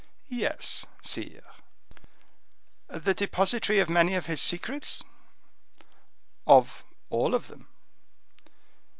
"Yes, sire." "The depositary of many of his secrets?" "Of all of them."